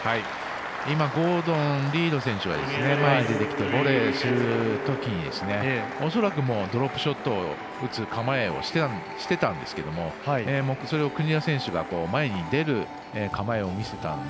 今ゴードン・リード選手は前に出てきてボレーするときにドロップショットを打つ構えをしていたんですけれどもそれを国枝選手が前に出る構えを見せたので